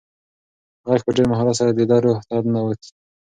غږ په ډېر مهارت سره د ده روح ته ننووت.